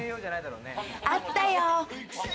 あったよ。